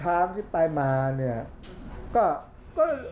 ภาคอีสานแห้งแรง